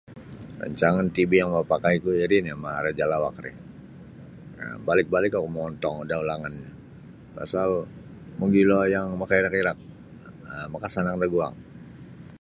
Rancangan tv yang mapakaiku iri nio Maharaja Lawak ri um balik-balik oku mongontong da ulangannyo pasal mogilo yang makairak-irak um makasanang daguang.